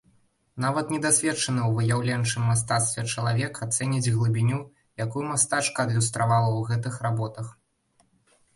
Нават недасведчаны ў выяўленчым мастацтве чалавек ацэніць глыбіню, якую мастачка адлюстравала ў гэтых работах.